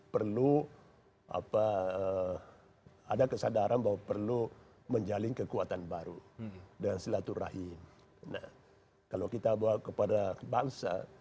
hai apa ada kesadaran bahwa perlu menjalin kekuatan baru dan silaturahim kalau kita bawa kepada bangsa